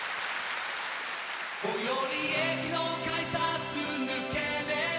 「最寄り駅の改札抜ければ」